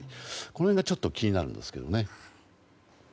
この辺がちょっと気になるんですけどね。